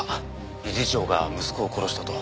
理事長が息子を殺したと。